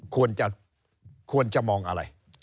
ควรจะควรจะมองอะไร